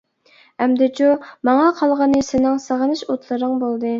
ئەمدىچۇ؟ ماڭا قالغىنى سېنىڭ سېغىنىش ئوتلىرىڭ بولدى.